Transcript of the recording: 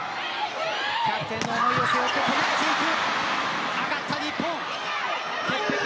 キャプテンの思いを背負っていく。